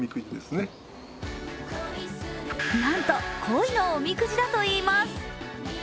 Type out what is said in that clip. なんと恋のおみくじだといいます。